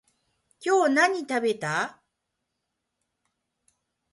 今日何食べた？